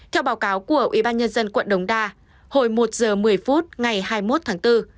theo báo cáo của ubnd quận đống đa hồi một giờ một mươi phút ngày hai mươi một tháng bốn